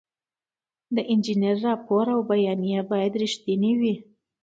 د انجینر راپور او بیانیه باید رښتینې وي.